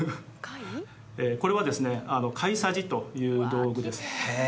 これはですね貝匙という道具です